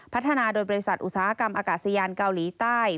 พัฒนาโดยบริษัทอุตสาหกรรมอากาศยานเกาหลีใต้